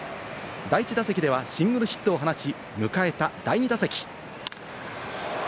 第１打席ではシングルヒットを放ち、迎えた第２打席。